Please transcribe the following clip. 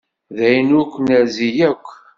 D ayen ur k-nerzi yakk.